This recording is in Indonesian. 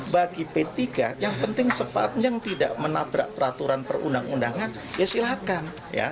bagi p tiga yang penting sepanjang tidak menabrak peraturan perundang undangan ya silahkan